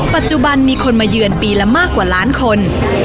ปัจจุบันมีคนมาเยือนปีละมากกว่าล้านคน